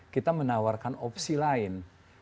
kita menawarkan opsi lain